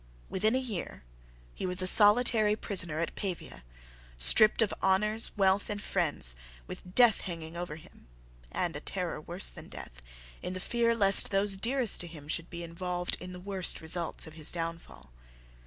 Within a year he was a solitary prisoner at Pavia, stripped of honours, wealth, and friends, with death hanging over him, and a terror worse than death, in the fear lest those dearest to him should be involved in the worst results of his downfall.